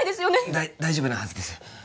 だい大丈夫なはずです